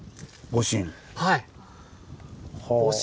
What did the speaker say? はい！